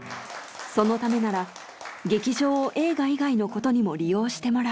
そのためなら劇場を映画以外のことにも利用してもらう。